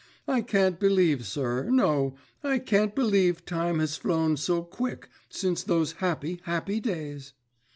"I can't believe, sir, no, I can't believe as time has flown so quick since those happy, happy days!"